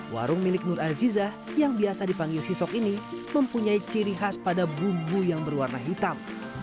warung milik nur aziza yang biasa dipanggil sisok ini mempunyai ciri khas pada bumbu yang berwarna hitam